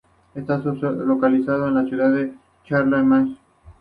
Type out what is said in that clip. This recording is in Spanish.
Está localizado en la ciudad de Charlotte Amalie, en la isla de Santo Tomás.